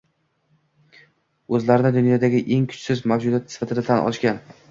o’zlarini dunyodagi eng kuchsiz mavjudot sifatida tan olishgan